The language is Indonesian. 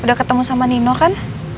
udah ketemu sama nino kan